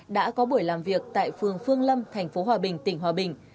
đã có buổi làm việc tại phường phương lâm thành phố hòa bình tỉnh hòa bình